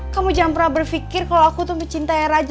kamu jangan pernah berpikir kalau aku tuh mencintai raja